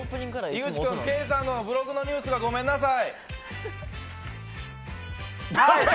井口君、ケイさんのブログのニュースはごめんなさい。